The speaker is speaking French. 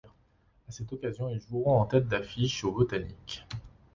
À cette occasion, ils joueront en tête d'affiche au Botanique.